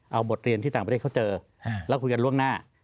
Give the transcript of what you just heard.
เอาบทเรียนที่ต่างประเทศเขาเจอแล้วคุยกันล่วงหน้า